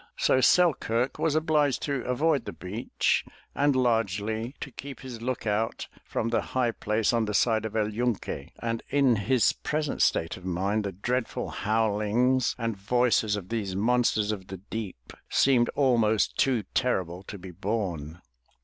So Selkirk was obliged to avoid the beach and largely to keep his look out from the high place on the side of El Yunque, and in his present state of mind the dreadful bowlings and voices of these monsters of the deep seemed almost too terrible to be borne.